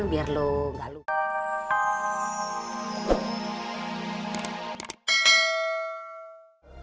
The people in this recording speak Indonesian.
biar lu gak lupa